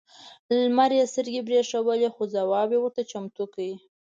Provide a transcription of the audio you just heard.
لمر یې سترګې برېښولې خو ځواب یې ورته چمتو کړ.